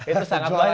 itu sangat banyak ya